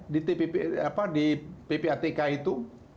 di ppatk itu